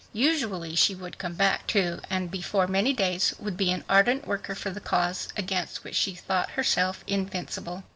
Usually she would come back, too, and before many days would be an ardent worker for the cause against which she thought herself invincible.